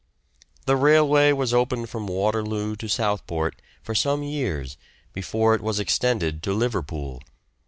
The railway was opened from Waterloo to Southport for some years before it was extended to Liverpool.